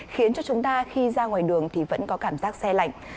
khiến cho chúng ta khi ra ngoài đường thì vẫn có cảm giác xe lạnh